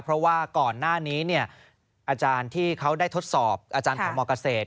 เพราะว่าก่อนหน้านี้อาจารย์ที่เขาได้ทดสอบอาจารย์ของมเกษตร